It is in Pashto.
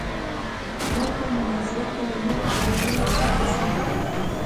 موږ په مناظره کې له نورو دلایلو پاتې شوو.